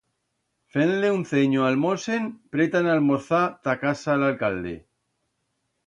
Fend-le un cenyo a'l mosen, pretan a almorzar ta casa l'alcalde.